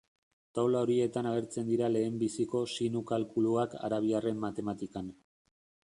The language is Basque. Taula horietan agertzen dira lehenbiziko sinu kalkuluak arabiarren matematikan.